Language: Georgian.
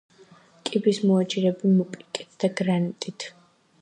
კიბის მოაჯირები მოპირკეთდა გრანიტით.